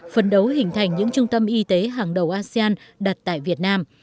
phấn đấu hình thành những trung tâm y tế hàng đầu asean đặt tại việt nam